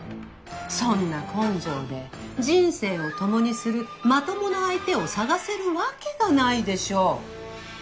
そんな根性で人生を共にするまともな相手を探せるわけがないでしょう。